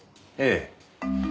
ええ。